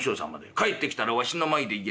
『帰ってきたらわしの前で言え。